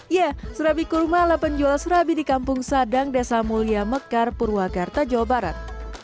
ya serabi kurma ala penjual serabi di kampung sadang desa mulia mekar purwakarta jawa barat